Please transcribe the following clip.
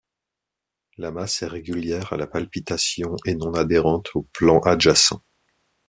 La masse est régulière à la palpation et non adhérente aux plans adjacents.